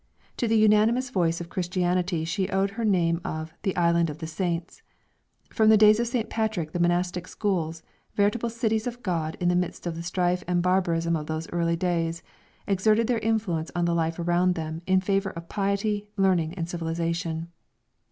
To the unanimous voice of Christianity she owed her name of the "Island of the Saints." From the days of St. Patrick the monastic schools, veritable cities of God in the midst of the strife and barbarism of those early days, exerted their influence on the life around them in favour of piety, learning and civilization.